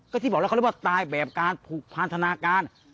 ก็ที่บอกแล้วเขาเรียกว่าตายแบบการผูกพันธนาการ